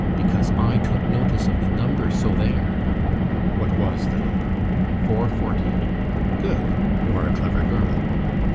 "Because I took notice of the number, so there!" "What was the number?" "440." "Good, you are a clever girl."